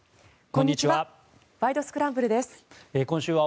こんにちは。